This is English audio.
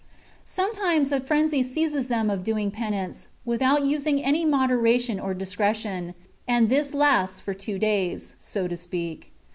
Some times a frenzy seizes them of doing penance, with out using any moderation or discretion, and this lasts for two days, so to speak.